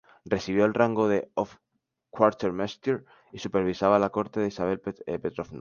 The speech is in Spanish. Recibió el rango de hof-quartermeister, y supervisaba la corte de Isabel Petrovna.